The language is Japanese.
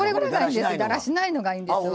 だらしないのがいいんですわ。